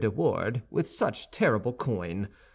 de Wardes with such terrible coin.